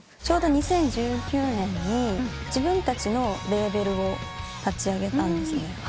ちょうど２０１９年に自分たちのレーベルを立ち上げたんですね。